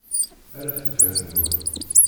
Rret ddhen-nwen!